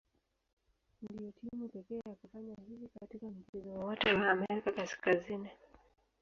Ndio timu pekee ya kufanya hivi katika mchezo wowote wa Amerika Kaskazini.